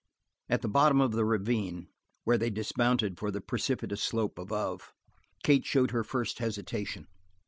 At the bottom of the ravine, where they dismounted for the precipitous slope above, Kate showed her first hesitation.